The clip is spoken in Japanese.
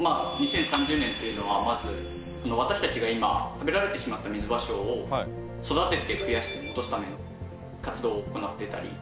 ２０３０年というのはまず私たちが今食べられてしまったミズバショウを育てて増やして戻すための活動を行っていたり。